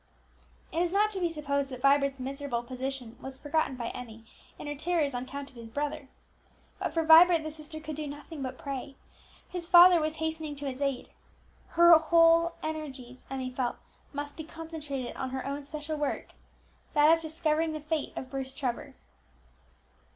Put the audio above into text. It is not to be supposed that Vibert's miserable position was forgotten by Emmie in her terrors on account of his brother. But for Vibert the sister could do nothing but pray; his father was hastening to his aid: her whole energies, Emmie felt, must be concentrated on her own special work, that of discovering the fate of Bruce Trevor.